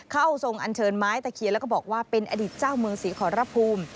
เข้าทรงอันเชิญไม้ตะเคียนแล้วก็บอกว่าเป็นอดีตเจ้าเมืองศรีขอรภูมิ